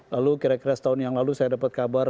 lalu kira kira setahun yang lalu saya dapat kabar